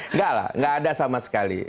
enggak lah nggak ada sama sekali